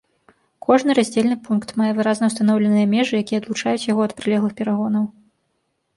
Кожны раздзельны пункт мае выразна устаноўленыя межы, якія адлучаюць яго ад прылеглых перагонаў.